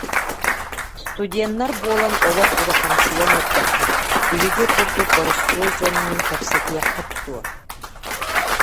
Студеннар буолан олох улахамсыйан эрдэххит, биһиги курдук боростуой дьоннуун кэпсэтиэххит дуо